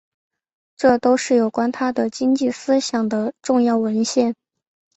这都是有关他的经济思想的重要文献。